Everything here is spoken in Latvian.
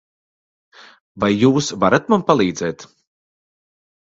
Vai jūs varat man palīdzēt?